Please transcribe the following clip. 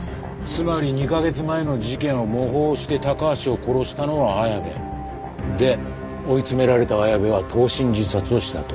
つまり２カ月前の事件を模倣して高橋を殺したのは綾部。で追い詰められた綾部は投身自殺をしたと。